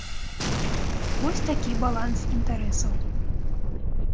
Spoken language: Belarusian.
Вось такі баланс інтарэсаў.